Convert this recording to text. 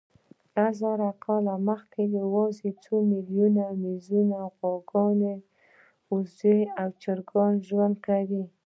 لس زره کاله مخکې یواځې څو میلیونو مېږو، غویانو، اوزو او چرګانو ژوند کاوه.